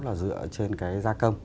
là dựa trên cái gia công